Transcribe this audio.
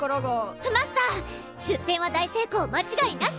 マスター出店は大成功まちがいなし！